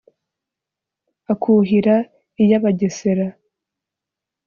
akuhira iy' abagesera